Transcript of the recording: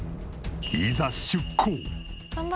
いざ出航。